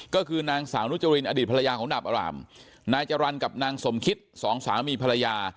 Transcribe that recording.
ก็คือนางสาวนุจรินอดีตภรรยาของดาบอารามนายจรรย์กับนางสมคิดสองสามีภรรยา